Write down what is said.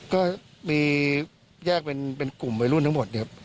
ก็แยกเป็นกลุ่มไปรุ่นทั้งหมด